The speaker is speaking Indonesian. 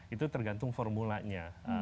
itu tergantung formulanya